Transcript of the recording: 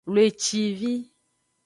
Wlecivi.